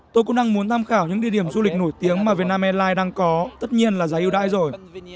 tôi cũng đang muốn tham khảo những địa điểm du lịch nổi tiếng mà việt nam airlines đang có tất nhiên là giá yêu đãi rồi